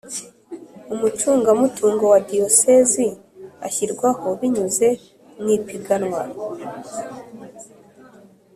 Umucungamutungo wa Diyosezi ashyirwaho binyuze mu ipiganwa